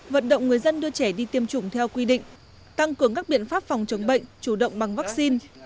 vận động người dân đưa trẻ đi tiêm chủng theo quy định tăng cường các biện pháp phòng chống bệnh chủ động bằng vaccine